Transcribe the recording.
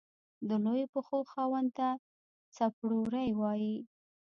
د لويو پښو خاوند ته څپړورے وائي۔